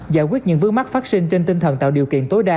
giải quyết những vướng mắt phát sinh trên tinh thần tạo điều kiện tối đa